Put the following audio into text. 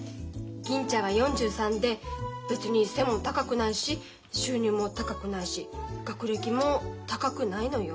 銀ちゃんは４３で別に背も高くないし収入も高くないし学歴も高くないのよ？